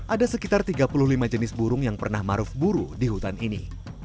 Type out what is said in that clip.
ada sekitar tiga puluh lima jenis burung yang pernah maruf buru di hutan ini